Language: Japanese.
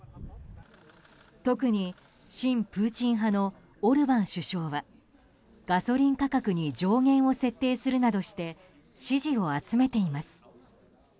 特に親プーチン派のオルバン首相はガソリン価格に上限を設定するなどして支持を集めています。